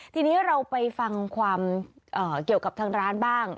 ทีนี้เราไปฟังความเกี่ยวกับทางร้านบ้าง